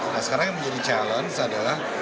nah sekarang yang menjadi challenge adalah